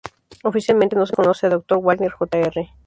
Oficialmente no se reconoce a Dr. Wagner Jr.